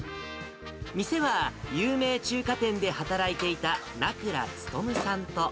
店は有名中華店で働いていた那倉勉さんと。